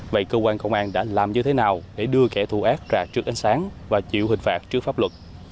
vậy cơ quan công an đã làm như thế nào để đưa kẻ thù ác ra trước ánh sáng và chịu hình phạt trước pháp luật